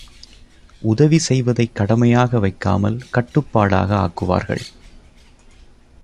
உதவி செய்வதைக் கடமையாக வைக்காமல் கட்டுப்பாடாக ஆக்குவார்கள்.